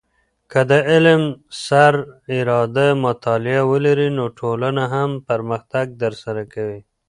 که د علم سر اراده مطالعه ولرې، نو ټولنه هم پرمختګ در سره کوي.